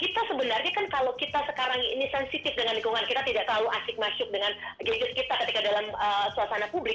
kita sebenarnya kan kalau kita sekarang ini sensitif dengan lingkungan kita tidak terlalu asik masuk dengan gadget kita ketika dalam suasana publik